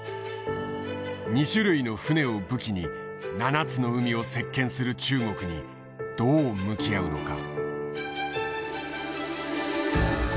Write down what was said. ２種類の船を武器に７つの海を席けんする中国にどう向き合うのか。